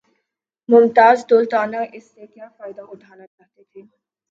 ممتاز دولتانہ اس سے کیا فائدہ اٹھانا چاہتے تھے؟